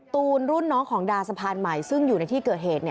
ตูนรุ่นน้องของดาสะพานใหม่ซึ่งอยู่ในที่เกิดเหตุ